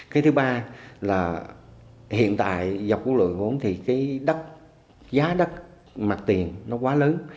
cái thứ ba là hiện tại dọc quốc lộ bốn thì cái đất giá đất mặt tiền nó quá lớn